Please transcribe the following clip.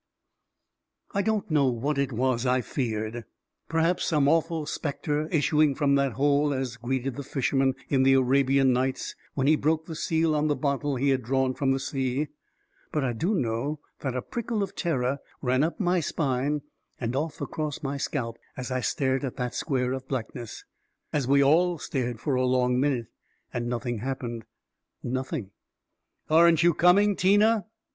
I don't know what it was I feared — perhaps 344 A KING IN BABYLON some such awful spectre issuing from that hole as greeted the fisherman in the Arabian Nights when he broke the seal on the bottle he had drawn from the sea ; but I do know that a prickle of terror ran up my spine and off across my scalp as I stared at that square of blackness — as we all stared for a long minute — and nothing happened — nothing ..." Aren't you coming, Tina